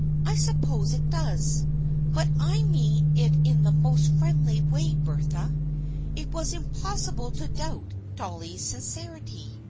" I suppose it does, but I mean it in the most friendly way, Bertha." It was impossible to doubt Dolly's sincerity.